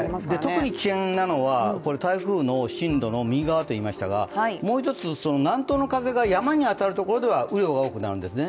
特に危険なのが、台風の進路の右側といいましたがもう一つ南東の風が山に当たるところでは雨量が多くなるんですね。